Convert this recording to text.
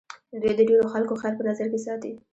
دوی د ډېرو خلکو خیر په نظر کې ساتي.